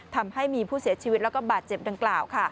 ทำให้มีผู้เสียชีวิตและบาดเจ็บดังกล่าว